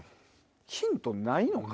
ヒントないのか？